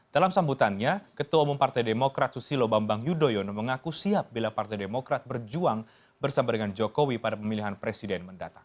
dalam sambutannya ketua umum partai demokrat susilo bambang yudhoyono mengaku siap bila partai demokrat berjuang bersama dengan jokowi pada pemilihan presiden mendatang